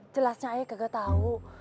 jelasnya ayah gak tau